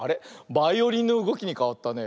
バイオリンのうごきにかわったね。